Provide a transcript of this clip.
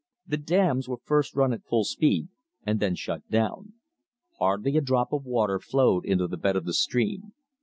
The dams were first run at full speed, and then shut down. Hardly a drop of water flowed in the bed of the stream.